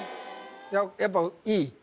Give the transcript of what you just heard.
やっぱいい？